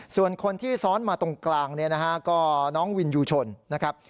ส่วนคนที่ซ้อนมาตรงกลางเนี่ยนะฮะก็น้องวินยูชนนะครับ